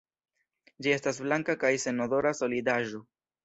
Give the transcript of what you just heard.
Ĝi estas blanka kaj senodora solidaĵo.